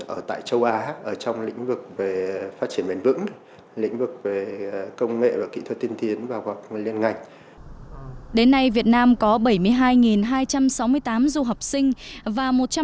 ở tại châu á trong lĩnh vực về phát triển mềm vững lĩnh vực về công nghệ và kỹ thuật tiên tiến và hoặc liên ngành